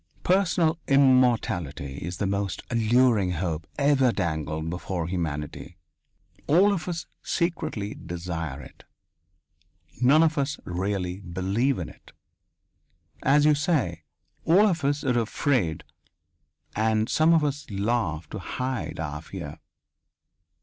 Personal immortality is the most alluring hope ever dangled before humanity. All of us secretly desire it. None of us really believe in it. As you say, all of us are afraid and some of us laugh to hide our fear.